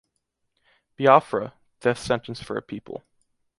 Biafra, Death Sentence for a People.